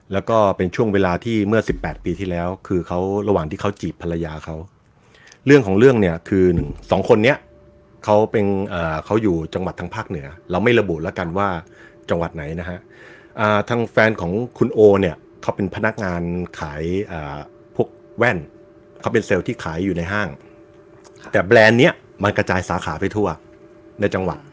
แล้วก็เป็นช่วงเวลาที่เมื่อสิบแปดปีที่แล้วคือเขาระหว่างที่เขาจีบภรรยาเขาเรื่องของเรื่องเนี่ยคือหนึ่งสองคนนี้เขาเป็นเขาอยู่จังหวัดทางภาคเหนือเราไม่ระบุแล้วกันว่าจังหวัดไหนนะฮะทางแฟนของคุณโอเนี่ยเขาเป็นพนักงานขายพวกแว่นเขาเป็นเซลล์ที่ขายอยู่ในห้างแต่แบรนด์เนี้ยมันกระจายสาขาไปทั่วในจังหวัด